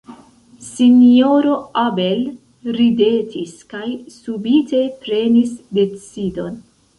Sinjoro Abel ridetis, kaj subite prenis decidon.